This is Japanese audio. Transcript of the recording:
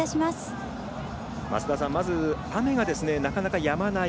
増田さん、まず雨がなかなかやまない。